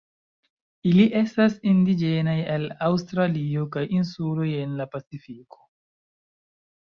Ili estas indiĝenaj al Aŭstralio kaj insuloj en la Pacifiko.